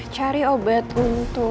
cari obat untuk